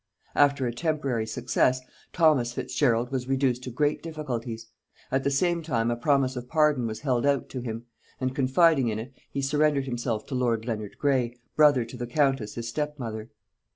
After a temporary success, Thomas Fitzgerald was reduced to great difficulties: at the same time a promise of pardon was held out to him; and confiding in it he surrendered himself to lord Leonard Grey, brother to the countess his step mother.